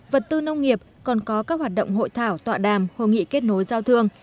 vật tư nông nghiệp còn có các hoạt động hội thảo tọa đàm hội nghị kết nối giao thương